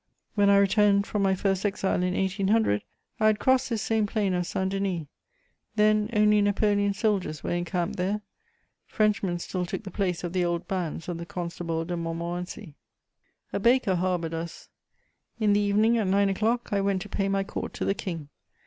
When I returned from my first exile in 1800, I had crossed this same plain of Saint Denis: then only Napoleon's soldiers were encamped there; Frenchmen still took the place of the old bands of the Constable de Montmorency. A baker harboured us. In the evening, at nine o'clock, I went to pay my court to the King.